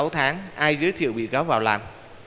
sáu tháng ai giới thiệu bị cáo vào làm